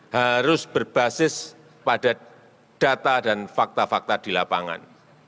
harus berbasis pada data dan fakta fakta di lapangan